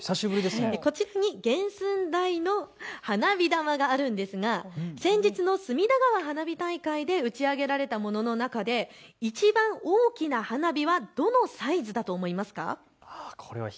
こちらに原寸大の花火玉があるんですが先日の隅田川花火大会で打ち上げられたものの中でいちばん大きな花火はどのサイズだと思いますか。